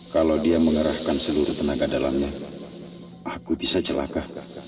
kalau dia mengerahkan seluruh tenaga dalamnya aku bisa celaka